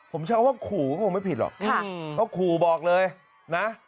ผมใช้คำว่าขู่ก็คงไม่ผิดหรอกเขาขู่บอกเลยนะ